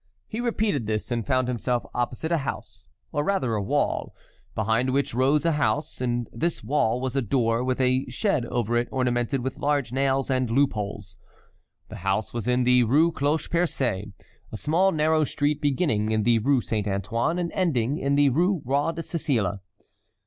He repeated this and found himself opposite a house, or rather a wall, behind which rose a house; in this wall was a door with a shed over it ornamented with large nails and loop holes. The house was in the Rue Cloche Percée, a small narrow street beginning in the Rue Saint Antoine and ending in the Rue Roi de Sicile.